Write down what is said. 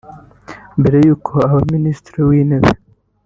Mbere y’uko aba Minisitiri w’Intebe